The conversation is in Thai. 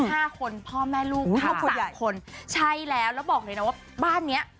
ห้าคนพ่อแม่ลูกห้าคนอย่างคนใช่แล้วแล้วบอกเลยนะว่าบ้านเนี้ย